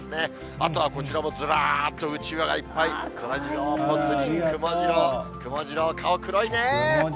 あとはこちら、ずらっとうちわがいっぱい、そらジローもいたり、くもジローもいたり、くもジロー、顔黒いね。